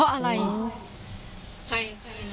ข้าไมคงไม่รู้